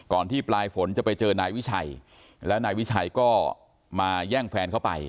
ที่ปลายฝนจะไปเจอนายวิชัยแล้วนายวิชัยก็มาแย่งแฟนเข้าไป